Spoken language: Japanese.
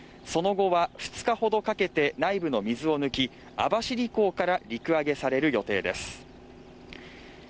その後は２日ほどかけて内部の水を抜き網走港から陸揚げされる予定です